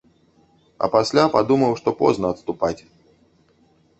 А пасля падумаў што позна адступаць.